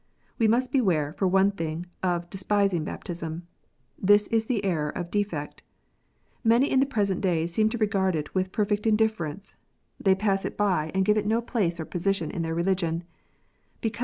We must beware, for one thing, of despising baptism. This is the error of defect. Many in the present day seem to regard it with perfect indifference. They pass it by, and give it no place or position in their religion.